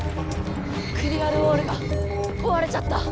クリアルウォールがこわれちゃった！